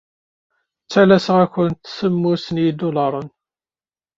Ttalaseɣ-awent semmus n yidulaṛen.